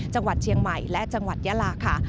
จังหวัดเชียงใหม่และจังหวัดยาลาค่ะ